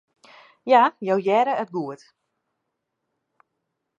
Ja, jo hearre it goed.